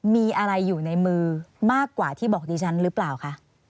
มีอะไรอยู่ในมือมากกว่าที่บอกดิฉันหรือเปล่าคะ